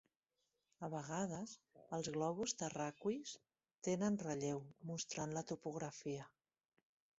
A vegades, els globus terraqüis tenen relleu, mostrant la topografia.